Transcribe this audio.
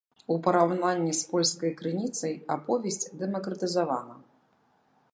У параўнанні з польскай крыніцай аповесць дэмакратызавана.